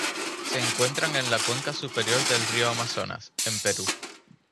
Se encuentran en la cuenca superior del río Amazonas, en el Perú.